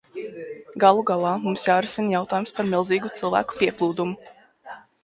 Galu galā, mums jārisina jautājums par milzīgu cilvēku pieplūdumu.